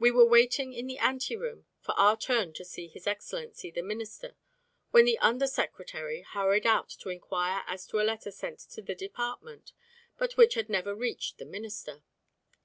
We were waiting in the anteroom for our turn to see His Excellency the Minister when the Under Secretary hurried out to inquire as to a letter sent to the department but which had never reached the Minister.